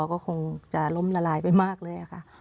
ก็คงจะล้มละลายไปมากเลยค่ะ